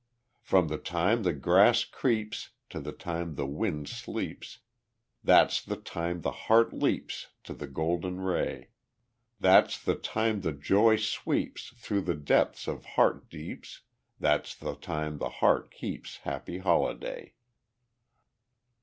From the time the grass creeps To the time the wind sleeps, That's the time the heart leaps To the golden ray; That's the time that joy sweeps Through the depths of heart deeps, That's the time the heart keeps Happy holiday.